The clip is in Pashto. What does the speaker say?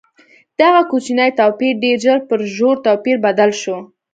دغه کوچنی توپیر ډېر ژر پر ژور توپیر بدل شو.